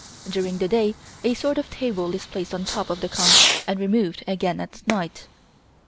During the day a sort of table is placed on top of the kong and removed again at night.